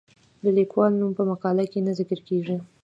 د لیکوال نوم په مقاله کې نه ذکر کیږي.